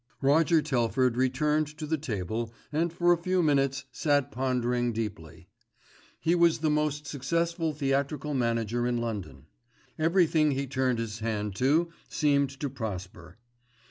Roger Telford returned to the table and for a few minutes sat pondering deeply. He was the most successful theatrical manager in London. Everything he turned his hand to seemed to prosper.